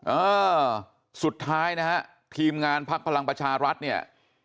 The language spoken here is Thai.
เออสุดท้ายนะฮะทีมงานพักพลังประชารัฐเนี่ย